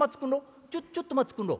ちょっと待っつくんろ。